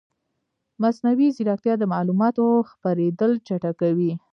مصنوعي ځیرکتیا د معلوماتو خپرېدل چټکوي.